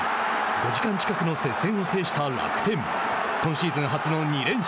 ５時間近くの接戦を制した楽天。